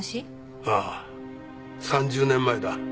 ああ３０年前だ。